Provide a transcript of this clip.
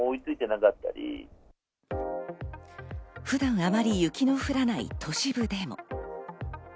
普段、あまり雪の降らない都市部でも。